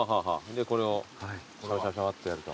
でこれをシャワシャワってやると。